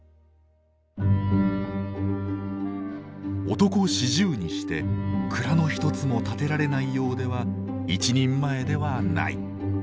「男四十にして蔵のひとつも建てられないようでは一人前ではない」。